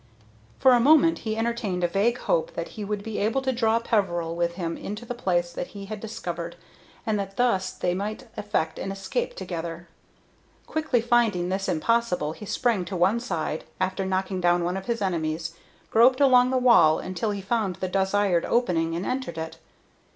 For a moment he entertained a vague hope that he would be able to draw Peveril with him into the place that he had discovered, and that thus they might effect an escape together. Quickly finding this impossible, he sprang to one side, after knocking down one of his enemies, groped along the wall until he found the desired opening, and entered it.